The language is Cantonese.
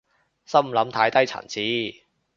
心諗太低層次